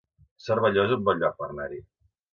Cervelló es un bon lloc per anar-hi